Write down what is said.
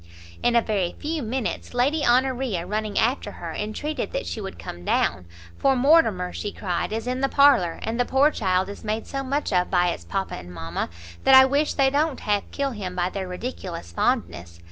In a very few minutes, Lady Honoria, running after her, entreated that she would come down; "for Mortimer," she cried, "is in the parlour, and the poor child is made so much of by its papa and mama, that I wish they don't half kill him by their ridiculous fondness.